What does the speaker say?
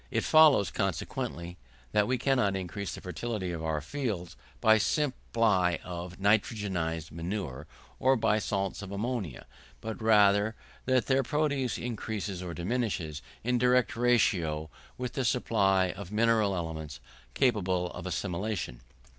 It follows, consequently, that we cannot increase the fertility of our fields by a supply of nitrogenised manure, or by salts of ammonia, but rather that their produce increases or diminishes, in a direct ratio, with the supply of mineral elements capable of assimilation.